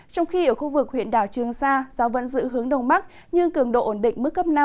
trong khi ở khu vực huyện đảo trường sa gió vẫn giữ hướng đông bắc nhưng cường độ ổn định mức cấp năm